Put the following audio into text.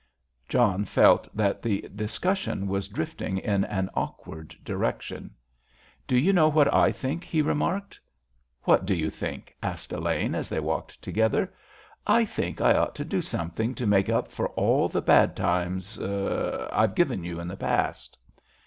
John felt that the discussion was drifting in an awkward direction. "Do you know what I think?" he remarked. "What do you think?" asked Elaine, as they walked together. "I think I ought to do something to make up for all the bad times—er—I have given you in the past."